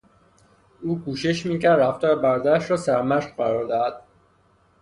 او کوشش میکرد رفتار برادرش را سرمشق قرار دهد.